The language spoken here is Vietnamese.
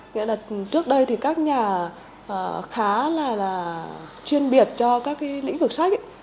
nghĩa là trước đây thì các nhà khá là chuyên biệt cho các lĩnh vực sách